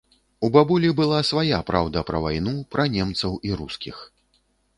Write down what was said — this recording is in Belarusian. У бабулі была свая праўда пра вайну, пра немцаў і рускіх.